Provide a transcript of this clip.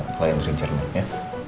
klien dari jerman ya